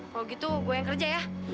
kalau gitu gue yang kerja ya